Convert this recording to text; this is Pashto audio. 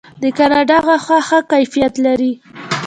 د کاناډا غوښه ښه کیفیت لري.